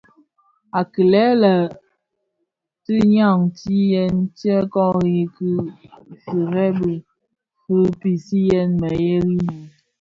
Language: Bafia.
Akilè le tinyamtis tyè kori ki firès fi pisiyèn merėli mii.